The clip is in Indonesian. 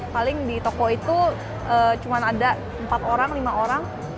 paling di toko itu cuma ada empat orang lima orang